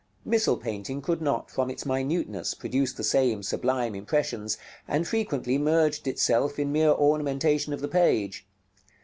Missal painting could not, from its minuteness, produce the same sublime impressions, and frequently merged itself in mere ornamentation of the page.